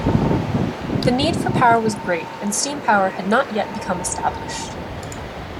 The need for power was great and steam power had not yet become established.